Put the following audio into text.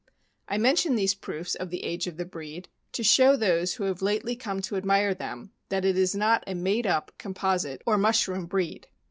I mention these proofs of the age of the breed to show those who have lately come to admire them that it is not a made up, composite, or mushroom breed.